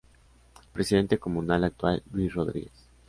Presidente comunal actual Luis Rodriguez.